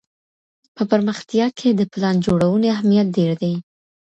په پرمختيا کي د پلان جوړوني اهميت ډېر دی.